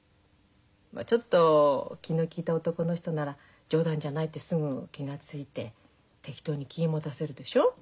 ちょっと気の利いた男の人なら冗談じゃないってすぐに気が付いて適当に気を持たせるでしょ。